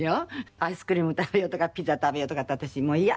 「アイスクリーム食べよう」とか「ピザ食べよう」とかって私もうイヤ。